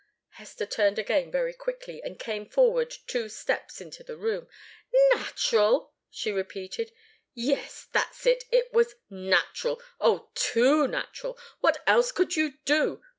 Hester turned again very quickly and came forward two steps into the room. "Natural!" she repeated. "Yes that's it it was natural oh, too natural! What else could you do?